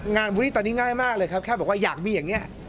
บูลลี่ตอนนี้ง่ายมากเลยครับแค่บอกว่าอยากมีอย่างนี้